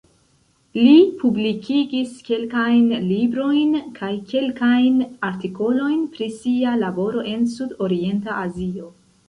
Li publikigis kelkajn librojn kaj kelkajn artikolojn pri sia laboro en Sudorienta Azio.